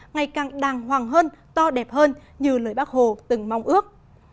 ngày càng đàng hoàng hơn to đẹp hơn như lời bác hồ từng mong ước